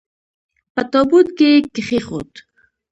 په تابوت کې یې کښېښود.